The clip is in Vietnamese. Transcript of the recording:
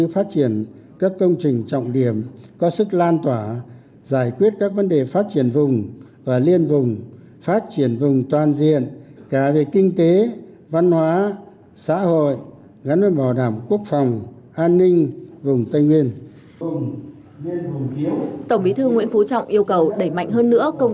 phòng chống giải quyết có hiệu quả vấn đề người dân tộc vượt biên